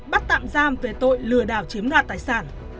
bắt tạm giam về tội lừa đảo chiếm đoạt tài sản